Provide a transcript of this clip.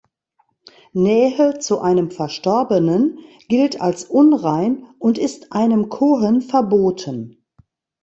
Nähe zu einem Verstorbenen gilt als unrein und ist einem Kohen verboten.